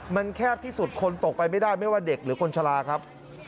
มันแคบที่สุดคนตกไปไม่ได้ไม่ว่าเด็กหรือคนชะลาครับ